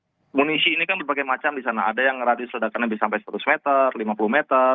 kondisi ini kan berbagai macam di sana ada yang radius ledakannya bisa sampai seratus meter lima puluh meter